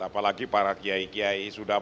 apalagi para kiai kiai sudah